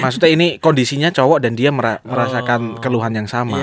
maksudnya ini kondisinya cowok dan dia merasakan keluhan yang sama